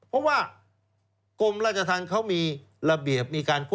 เพราะว่ากลมราชทางเขามีระเบียบ